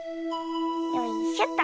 よいしょと。